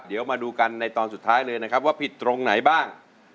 เดี๋ยวมาดูกันในตอนสุดท้ายเลยนะครับว่าผิดตรงไหนบ้าง